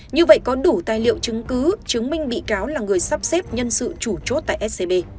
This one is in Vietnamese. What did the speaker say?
như vậy có đủ tài liệu chứng cứ chứng minh bị cáo là người sắp xếp nhân sự chủ chốt tại scb